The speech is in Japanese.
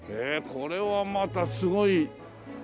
これはまたすごい。